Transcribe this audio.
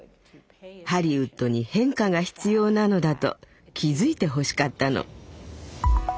ハリウッドに変化が必要なのだと気付いてほしかったの。